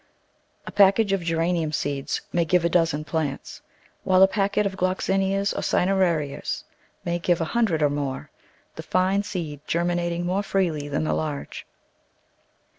A package of Geranium seed may give a dozen plants, while a packet of Gloxinias or Cinerarias may give a hundred or more — the fine seed germinating more freely than the large.